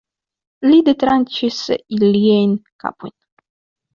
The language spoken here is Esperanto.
Li detranĉis iliajn kapojn.